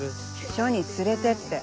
署に連れてって。